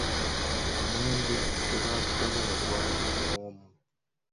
Omwenge gwe baatugabula gwali muwoomu.